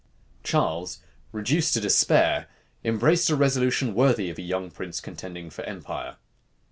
Charles, reduced to despair, embraced a resolution worthy of a young prince contending for empire.